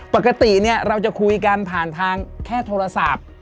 ปกติเราจะคุยกันผ่านทางแค่โทรศัพท์